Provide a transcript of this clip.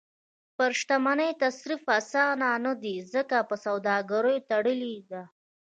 پر شتمنۍ تصرف اسانه نه دی، ځکه په سوداګریو تړلې ده.